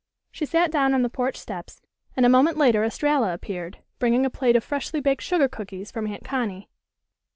She sat down on the porch steps, and a moment later Estralla appeared bringing a plate of freshly baked sugar cookies from Aunt Connie.